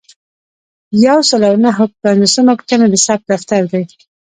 یو سل او نهه پنځوسمه پوښتنه د ثبت دفتر دی.